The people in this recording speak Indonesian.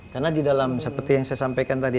karena di dalam seperti yang saya sampaikan tadi